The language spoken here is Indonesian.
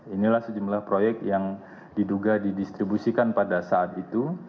inilah sejumlah proyek yang diduga didistribusikan pada saat itu